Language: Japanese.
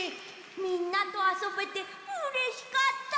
みんなとあそべてうれしかった！